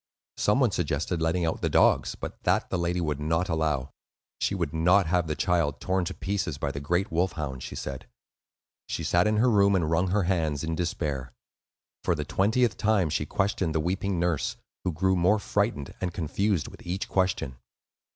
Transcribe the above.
Some one suggested letting out the dogs; but that, the lady would not allow. She would not have the child torn to pieces by the great wolf hounds, she said. She sat in her room and wrung her hands in despair. For the twentieth time she questioned the weeping nurse, who grew more frightened and confused with each question.